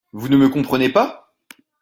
Vous ne me comprenez pas?